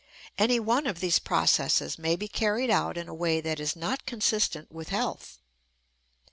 Any one of these processes may be carried out in a way that is not consistent with health.